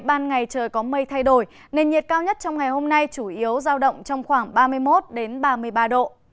ban ngày trời có mây thay đổi nền nhiệt cao nhất trong ngày hôm nay chủ yếu giao động trong khoảng ba mươi một ba mươi ba độ